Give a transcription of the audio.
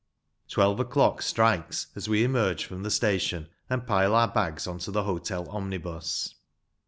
Twelve o'clock strikes as we emerge from the station and pile our bags on the hotel omnibus.